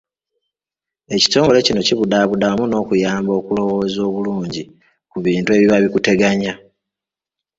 Ekitongole kino kibudaabuda awamu n'okukuyamba okulowooza obulungi ku bintu ebiba bikuteganya.